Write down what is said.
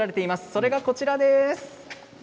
それがこちらです。